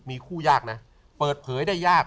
มีคู่ยากนะเปิดเผยได้ยาก